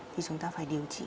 thì chúng ta phải điều trị